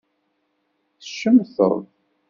Tcemteḍ